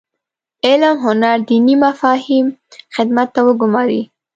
علم هنر دیني مفاهیم خدمت ته وګوماري.